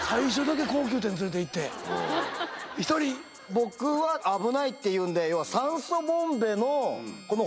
僕は危ないっていうんで。